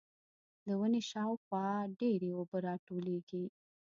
د ونې شاوخوا ډېرې اوبه راټولېږي.